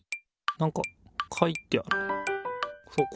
なんか書いてある。